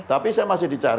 tapi saya masih dicari